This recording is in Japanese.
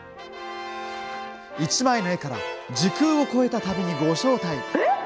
１枚の絵から時空を超えた旅にご招待。